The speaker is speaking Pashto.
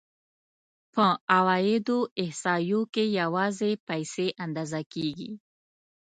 په عوایدو احصایو کې یوازې پیسې اندازه کېږي